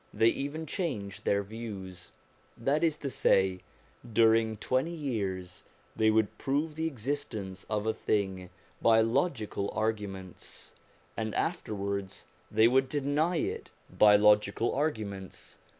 They even changed their views; that is to say, during twenty years they would prove the existence of a thing by logical arguments, and afterwards they would deny it by logical arguments.